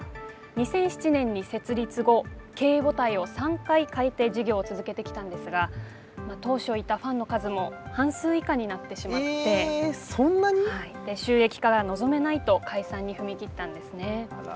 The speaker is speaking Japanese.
２００７年に設立後経営母体を３回変えて事業を続けてきたんですが当初いたファンの数も半数以下になってしまって収益化が望めないと解散に踏み切ったんですね。